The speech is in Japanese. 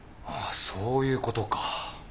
あっそういうことか。